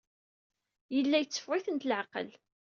Yella yetteffeɣ-itent leɛqel.